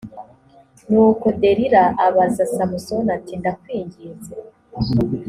nuko delila abaza samusoni ati ndakwinginze